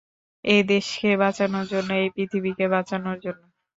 এই দেশকে বাঁচানোর জন্য, এই পৃথিবীকে বাঁচানোর জন্য।